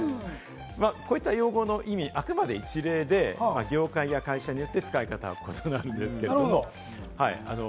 こういった用語の意味、あくまで一例で業界や会社によって使い方はもちろんなんですけれども、違います。